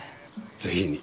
ぜひに。